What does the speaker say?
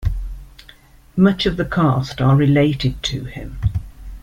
Much of the cast are related to him.